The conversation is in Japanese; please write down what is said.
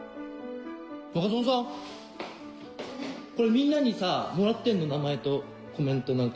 みんなにさもらってんの名前とコメント何か一言。